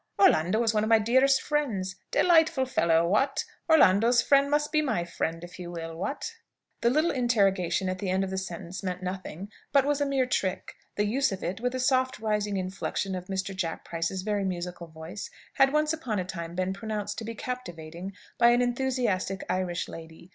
"Orlando is one of my dearest friends. Delightful fellow, what? Orlando's friend must be my friend, if he will, what?" The little interrogation at the end of the sentence meant nothing, but was a mere trick. The use of it, with a soft rising inflection of Mr. Jack Price's very musical voice, had once upon a time been pronounced to be "captivating" by an enthusiastic Irish lady.